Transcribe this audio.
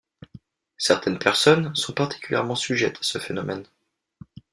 Certaines personnes sont particulièrement sujettes à ce phénomène.